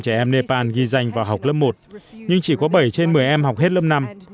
chín mươi năm trẻ em nepal ghi danh vào học lớp một nhưng chỉ có bảy trên một mươi em học hết lớp năm